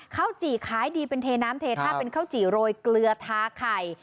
จี่ขายดีเป็นเทน้ำเทท่าเป็นข้าวจี่โรยเกลือทาไข่